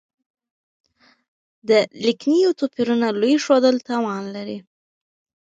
د ليکنيو توپيرونو لوی ښودل تاوان لري.